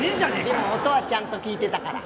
でも音はちゃんと聞いてたから。